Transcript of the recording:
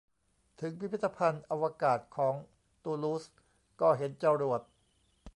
ถึงพิพิธภัณฑ์อวกาศของตูลูสก็เห็นจรวด